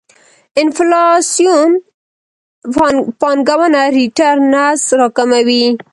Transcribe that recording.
انفلاسیون پانګونه ريټرنز راکموي.